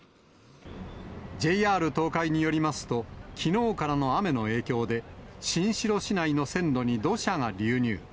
ＪＲ東海によりますと、きのうからの雨の影響で、新城市内の線路に土砂が流入。